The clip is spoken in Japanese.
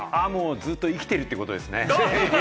ずっと生きているっていうことです。